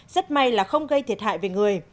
rất may là không gây thiệt hại về người